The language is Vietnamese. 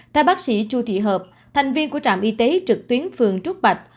theo bác sĩ chu thị hợp thành viên của trạm y tế trực tuyến phường trúc bạch